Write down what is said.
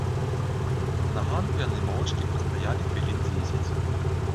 На ганку яны моўчкі прастаялі хвілін дзесяць.